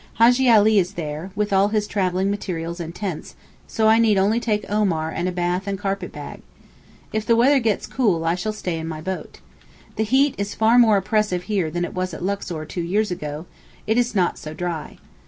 Hajjee Ali is there, with all his travelling materials and tents, so I need only take Omar and a bath and carpet bag. If the weather gets cool I shall stay in my boat. The heat is far more oppressive here than it was at Luxor two years ago; it is not so dry.